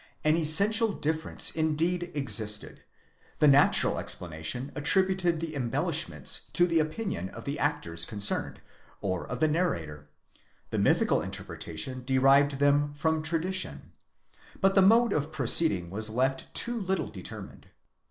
An essential difference indeed existed: the natural explanation attributed the embellishments to the opinion of the _ actors concerned, or of the narrator; the mythical interpretation derived them from tradition; but the mode of proceeding was left too little deter mined.